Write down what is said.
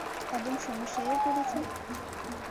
এবং সমস্যায়ও পড়েছি।